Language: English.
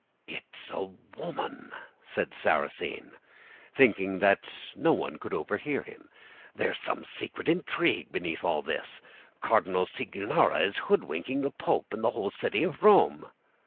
"'It's a woman,' said Sarrasine, thinking that no one could overhear him. 'There's some secret intrigue beneath all this. Cardinal Cicognara is hoodwinking the Pope and the whole city of Rome!